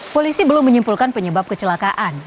polisi belum menyimpulkan penyebab kecelakaan